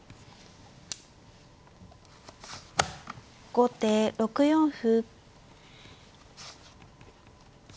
後手６四歩。